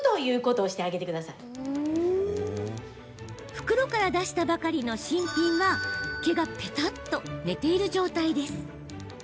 袋から出したばかりの新品は毛がぺたっと寝ている状態です。